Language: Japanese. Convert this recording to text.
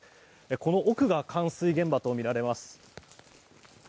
この奥が冠水現場とみられます。